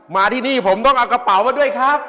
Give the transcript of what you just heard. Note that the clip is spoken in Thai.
มาที่นี่ผมต้องเอากระเป๋ามาด้วยครับ